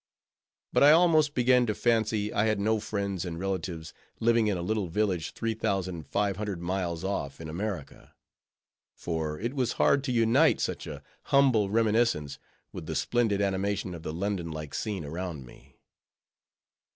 But I almost began to fancy I had no friends and relatives living in a little village three thousand five hundred miles off, in America; for it was hard to unite such a humble reminiscence with the splendid animation of the London like scene around me.